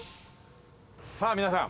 さあ皆さん。